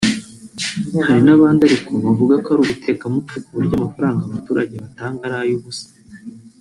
Hari n’abandi ariko bavuga ko ari ubutekamutwe ku buryo amafaranga abaturage batanga ari ay’ubusa